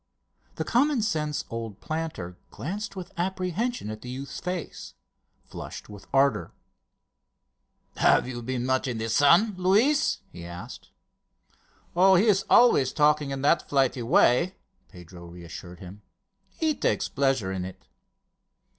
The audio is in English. The common sense old planter glanced with apprehension at the youth's face, flushed with ardour. "Have you been much in the sun, Luis?" he asked. "Oh, he is always talking in that flighty way," Pedro reassured him. "He takes pleasure in it."